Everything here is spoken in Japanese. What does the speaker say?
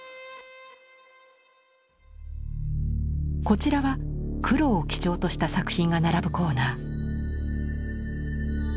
こちらは黒を基調とした作品が並ぶコーナー。